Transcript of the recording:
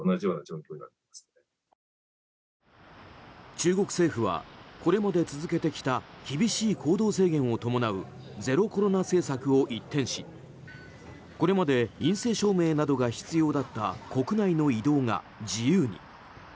中国政府はこれまで続けてきた厳しい行動制限を伴うゼロコロナ政策を一転しこれまで陰性証明書などが必要だった国内の移動が自由に。